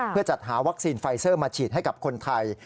เพื่อจัดหาวัคซีนไฟเซอร์มาฉีดให้กับคนไทย